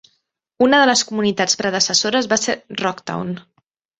Una de les comunitats predecessores va ser "Rocktown".